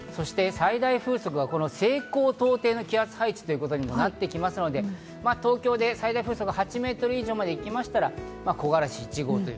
最大風速が西高東低の気圧配置ということにもなってきますので、東京で最大風速８メートル以上が行きましたら、木枯らし一号。